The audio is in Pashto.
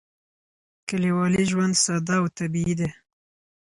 کلیوالي ژوند ساده او طبیعي دی.